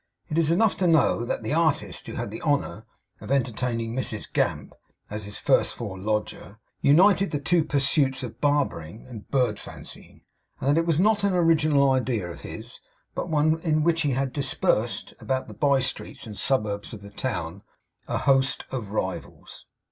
It is enough to know that the artist who had the honour of entertaining Mrs Gamp as his first floor lodger, united the two pursuits of barbering and bird fancying; and that it was not an original idea of his, but one in which he had, dispersed about the by streets and suburbs of the town, a host of rivals.